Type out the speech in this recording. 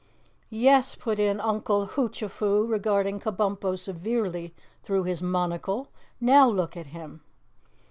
"Yes," put in Uncle Hoochafoo, regarding Kabumpo severely through his monocle. "Now look at him!"